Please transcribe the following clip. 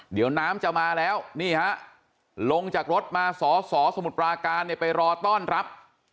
เดี๋ยวน้ำจะมาแล้วนี่ฮะลงจากรถมาสอสอสมุทรปราการเนี่ยไปรอต้อนรับ